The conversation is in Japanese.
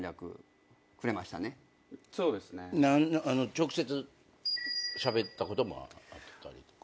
直接しゃべったこともあったりとか？